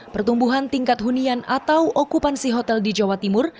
pertumbuhan tingkat hunian atau okupansi hotel di jawa timur